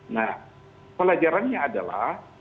nah pelajarannya adalah